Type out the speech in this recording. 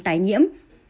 câu hỏi này là